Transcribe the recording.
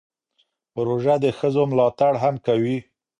پروژه د ښځو ملاتړ هم کوي.